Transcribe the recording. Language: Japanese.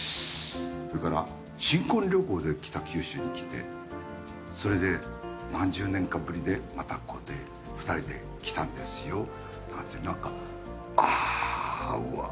それから新婚旅行で北九州に来てそれで何十年かぶりでまたこうやって２人で来たんですよなんていうなんかああうわっ。